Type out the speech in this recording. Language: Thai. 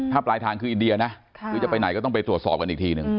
ถ้าปลายทางคืออินเดียนะหรือจะไปไหนก็ต้องไปตรวจสอบกันอีกทีหนึ่ง